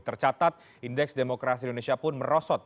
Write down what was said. tercatat indeks demokrasi indonesia pun merosot